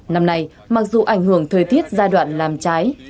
năm nay mặc dù ảnh hưởng thời tiết giai đoạn làm trái